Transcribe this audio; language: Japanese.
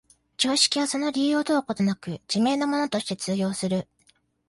常識はその理由を問うことなく、自明のものとして通用する。